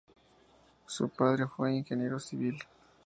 Su padre fue un ingeniero civil.